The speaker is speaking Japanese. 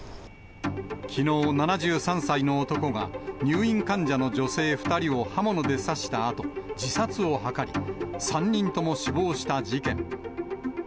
きのう、７３歳の男が、入院患者の女性２人を刃物で刺したあと、自殺を図り、３人とも死亡した事件。